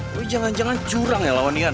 lo jangan jangan curang ya lawan ian